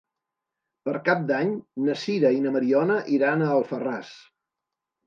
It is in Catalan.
Per Cap d'Any na Sira i na Mariona iran a Alfarràs.